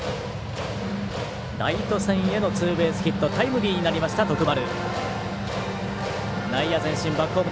ライト線へのツーベースヒットタイムリーになりました、徳丸。